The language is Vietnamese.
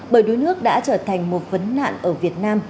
bởi đuối nước đã trở thành một vấn nạn ở việt nam